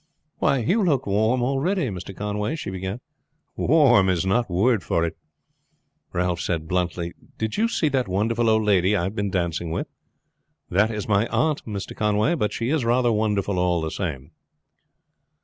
"Why, you look warm already, Mr. Conway," she began. "Warm is no word for it," Ralph said bluntly. "Did you see that wonderful old lady I have been dancing with?" "That is my aunt, Mr. Conway; but she is rather wonderful all the same."